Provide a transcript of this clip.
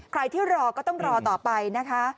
ใครที่รอก็ต้องรอต่อไปนะคะ